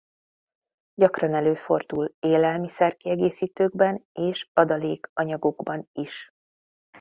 Gyakran előfordul élelmiszer-kiegészítőkben és adalékanyagokban is.